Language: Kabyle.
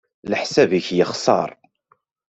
Leḥsab-ik yexṣer.